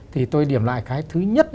thì tôi điểm lại cái thứ nhất